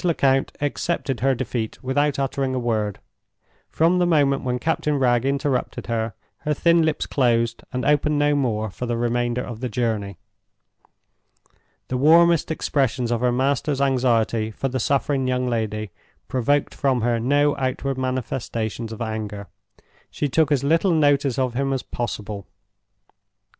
Lecount accepted her defeat without uttering a word. From the moment when Captain Wragge interrupted her, her thin lips closed and opened no more for the remainder of the journey. The warmest expressions of her master's anxiety for the suffering young lady provoked from her no outward manifestations of anger. She took as little notice of him as possible.